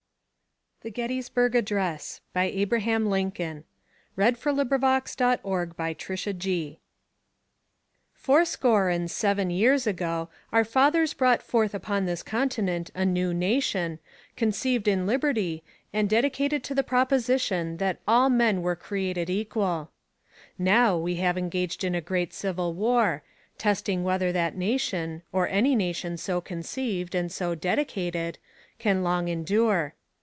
dress, given November 19, 1863 on the battlefield near Gettysburg, Pennsylvania, USA Four score and seven years ago, our fathers brought forth upon this continent a new nation: conceived in liberty, and dedicated to the proposition that all men are created equal. Now we are engaged in a great civil war. . .testing whether that nation, or any nation so conceived and so dedicated. .. can long endure.